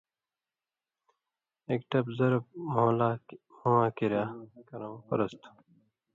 ایک ٹَپ (ضَرب) مھُوواں کِریا کَرٶں فرض تھُو۔